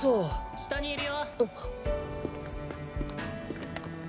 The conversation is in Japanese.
・下にいるよ。